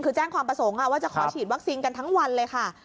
คือแจ้งความประสงค์ว่าจะขอฉีดวัคซีนกันทั้งวันเลยค่ะ